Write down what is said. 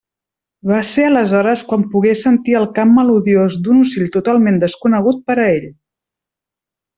Va ser aleshores quan pogué sentir el cant melodiós d'un ocell totalment desconegut per a ell.